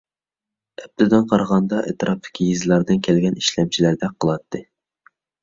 ئەپتىدىن قارىغاندا ئەتراپتىكى يېزىلاردىن كەلگەن ئىشلەمچىلەردەك قىلاتتى.